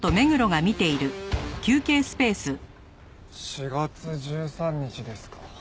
４月１３日ですか。